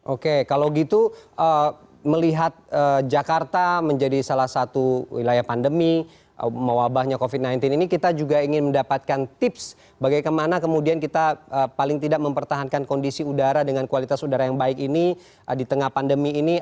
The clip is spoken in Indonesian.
oke kalau gitu melihat jakarta menjadi salah satu wilayah pandemi mewabahnya covid sembilan belas ini kita juga ingin mendapatkan tips bagaimana kemudian kita paling tidak mempertahankan kondisi udara dengan kualitas udara yang baik ini di tengah pandemi ini